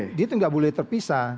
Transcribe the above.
jadi itu tidak boleh terpisah